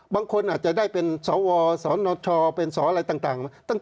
บางคนอาจจะได้เป็นสวสนชเป็นสออะไรต่าง